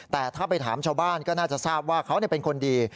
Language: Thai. แต่ถ้าไปถามชาวบ้านก็น่าจะทราบว่าเขาเป็นคนดี